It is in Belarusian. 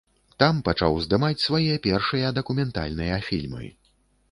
Там пачаў здымаць свае першыя дакументальныя фільмы.